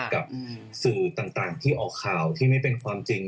กับสื่อต่างที่ออกข่าวที่ไม่เป็นความจริง